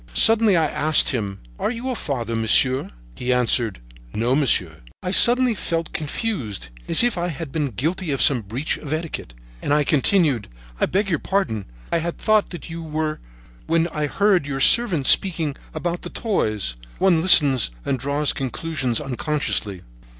Suddenly I asked him: "Are you a father, monsieur?" He answered: "No, monsieur." I suddenly felt confused, as if I had been guilty of some breach of etiquette, and I continued: "I beg your pardon. I had thought that you were when I heard your servant speaking about the toys. One listens and draws conclusions unconsciously."